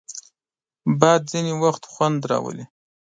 باد ځینې وخت خوند راولي